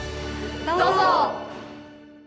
どうぞ！